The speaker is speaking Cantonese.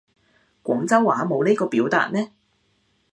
廣州話冇呢個表達咩